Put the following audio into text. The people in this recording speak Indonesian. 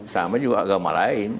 sama juga agama lain